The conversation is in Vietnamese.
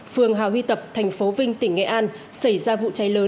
phường hà huy tập thành phố vinh tỉnh nghệ an xảy ra vụ cháy lớn